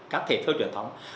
các thể thơ truyền thống